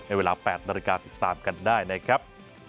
เวลา๘นาฬิกาติดตามกันได้นะครับ